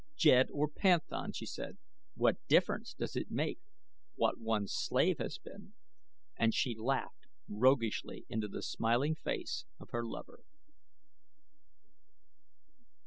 "Jed or panthan," she said; "what difference does it make what one's slave has been?" and she laughed roguishly into the smiling face of her lover.